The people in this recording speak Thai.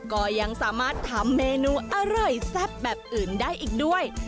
ก็ยังสามารถทำเมนูอร่อยแซ่บแบบอื่นได้อีกด้วย